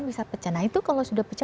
bisa pecah nah itu kalau sudah pecah